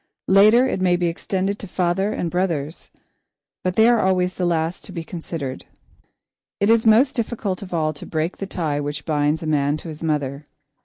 Later, it may be extended to father and brothers, but they are always the last to be considered. It is most difficult of all to break the tie which binds a man to his mother.